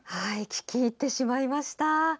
聞き入ってしまいました。